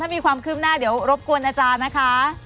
มีความคืบหน้าเดี๋ยวรบกวนอาจารย์นะคะ